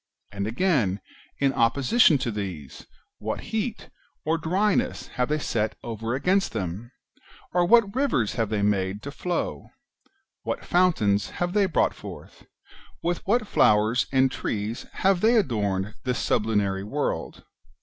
And again, in opposition to these, what heat or dryness have they set over against them ? or, what rivers have they made to flow ? what fountains have they brought forth ? wdth what flowers and trees have they adorned this sublunary world